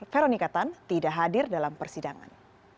veronika tan tidak hadir dalam persidangan